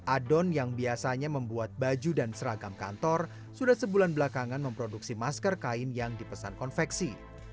adon yang biasanya membuat baju dan seragam kantor sudah sebulan belakangan memproduksi masker kain yang dipesan konveksi